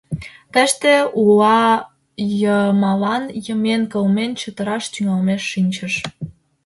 Тыште, уа йымалан йымен, кылмен чытыраш тӱҥалмеш шинчыш.